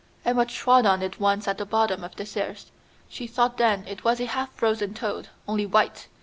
Emma trod on it once at the bottom of the stairs. She thought then it was a half frozen toad, only white.